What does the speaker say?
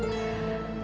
asal ibu jamilah